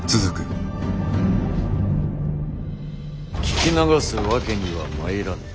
聞き流すわけにはまいらぬ。